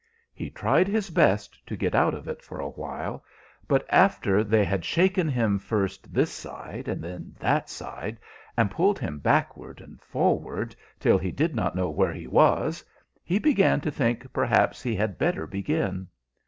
He tried his best to get out of it for a while; but after they had shaken him first this side, and then that side, and pulled him backward and forward till he did not know where he was, he began to think perhaps he had better begin.